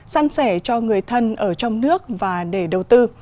săn sẻ cho người thân ở trong nước và để đầu tư